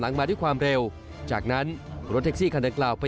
หลังมาด้วยความเร็วจากนั้นรถเท็กซี่คันเติร์กล่าว